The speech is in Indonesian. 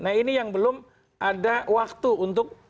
nah ini yang belum ada waktu untuk